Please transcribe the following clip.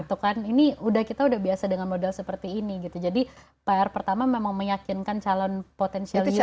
itu kan ini udah kita udah biasa dengan modal seperti ini gitu jadi pr pertama memang meyakinkan calon potential user kita